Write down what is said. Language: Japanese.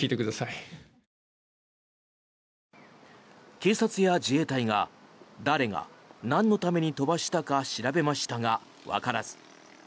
警察や自衛隊が誰がなんのために飛ばしたか調べましたが、わからず。